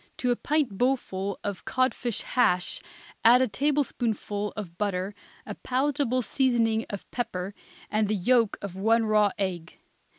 To a pint bowlful of codfish hash add a tablespoonful of butter, a palatable seasoning of pepper and the yolk of one raw egg.